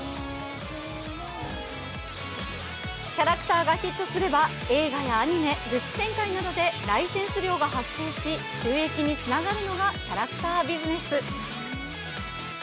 キャラクターがヒットすれば、映画やアニメ、グッズ展開などでライセンス料が発生し、収益につながるのがキャラクタービジネス。